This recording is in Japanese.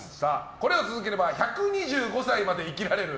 これを続ければ１２５歳まで生きられる！？